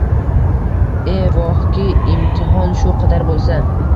E vohki, imtihon shu qadar bo’lsa